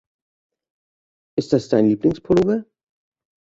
Ist das dein Lieblingspullover?